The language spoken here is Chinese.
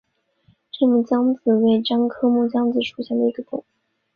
滇木姜子为樟科木姜子属下的一个种。